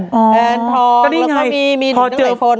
แอนทองแล้วก็มีมีหนึ่งหนึ่งฝน